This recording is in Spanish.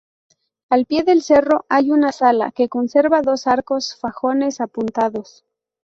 Al pie del cerro hay una sala, que conserva dos arcos fajones apuntados.